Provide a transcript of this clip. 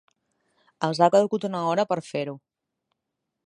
Els ha calgut una hora per fer-ho.